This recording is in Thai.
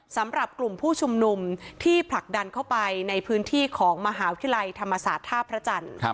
สำหรับกลุ่มผู้ชุมนุมที่ผลักดันเข้าไปในพื้นที่ของมหาวิทยาลัยธรรมศาสตร์ท่าพระจันทร์